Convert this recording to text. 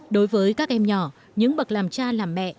đối với các em nhỏ những bậc làm cha làm mẹ